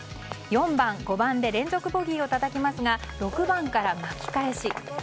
４番、５番で連続ボギーをたたきますが６番から巻き返し。